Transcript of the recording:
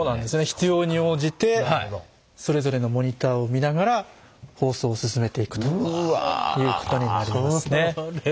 必要に応じてそれぞれのモニターを見ながら放送を進めていくということになりますね。